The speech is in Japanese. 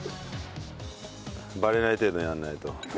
バレない程度にやんないと。